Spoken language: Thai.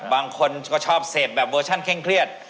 บางคนก็ชอบเสพแบบเวอร์ชั่นเคร่งเครียด